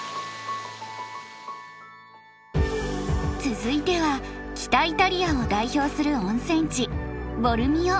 続いては北イタリアを代表する温泉地ボルミオ。